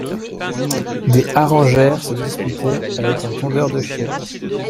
Des harengères se disputaient avec un tondeur de chiens.